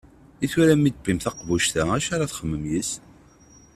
I tura mi d-tiwim taqbuct-a acu ara txedmem yis-s?